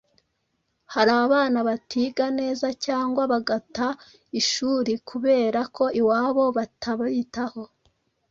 Hari abana batiga neza cyangwa bagata ishuri kubera ko iwabo batabitaho,